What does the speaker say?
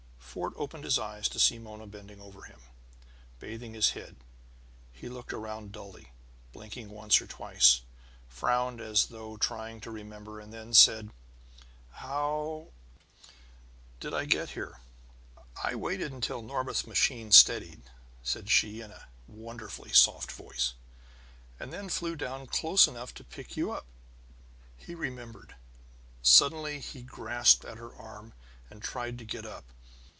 Fort opened his eyes to see Mona bending over him, bathing his head. He looked around dully, blinked once or twice, frowned as though trying to remember, and then said: "How did I get here?" "I waited until Norbith's machine steadied," said she in a wonderfully soft voice, "and then flew down close enough to pick you up." He remembered. Suddenly he grasped at her arm and tried to get up.